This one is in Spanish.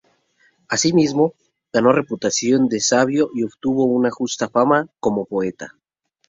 Asimismo, ganó reputación de sabio y obtuvo una justa fama como poeta.